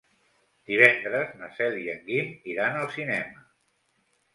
Divendres na Cel i en Guim iran al cinema.